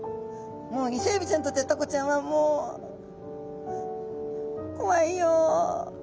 もうイセエビちゃんにとってはタコちゃんはもう「怖いよ」。